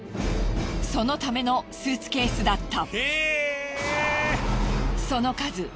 そのためのスーツケースだった。